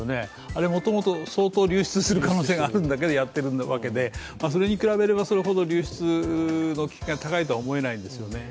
あれ、もともと相当、流出する可能性があるけどやっているわけでそれに比べればそれほど流出の危険が高いとは思えないんですよね。